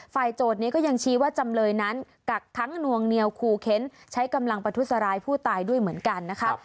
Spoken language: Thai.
โจทย์นี้ก็ยังชี้ว่าจำเลยนั้นกักทั้งนวงเหนียวคูเค้นใช้กำลังประทุษร้ายผู้ตายด้วยเหมือนกันนะคะ